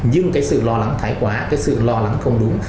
nhưng cái sự lo lắng thái quá cái sự lo lắng không đúng